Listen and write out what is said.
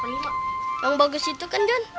yang bagus itu kan john